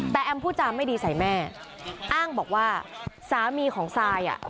แต่แอมพูดจาไม่ดีใส่แม่อ้างบอกว่าสามีของซายอ่ะ